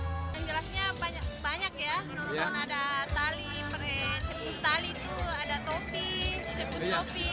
yang jelasnya banyak ya menonton ada tali sirkus tali itu ada topi sirkus topi